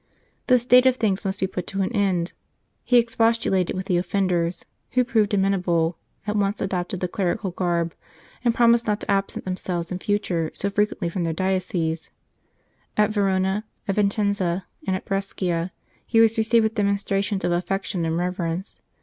This state of things must be put an end to. He expostulated with the offenders, who proved amenable, at once adopted the clerical garb, and promised not to absent themselves in future so frequently from their dioceses. At Verona, at Vincenza, and at Brescia, he was received with demonstrations of affection and reverence.